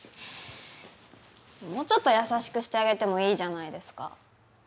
もうちょっと優しくしてあげてもいいじゃないですか。